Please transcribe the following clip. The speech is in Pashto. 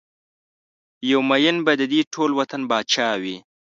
یو ميېن به ددې ټول وطن پاچا وي